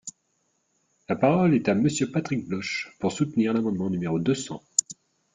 La parole est à Monsieur Patrick Bloche, pour soutenir l’amendement numéro deux cents.